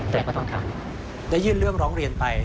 แต่ก็ต้องทำ